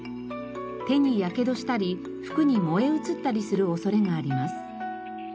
手にやけどしたり服に燃え移ったりする恐れがあります。